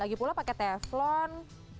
lagi pula pakai teflon